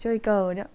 chơi cờ nữa